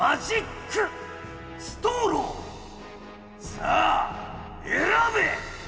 さあ選べ！